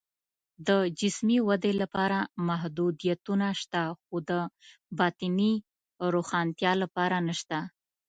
د جسمي ودې لپاره محدودیتونه شته، خو د باطني روښنتیا لپاره نشته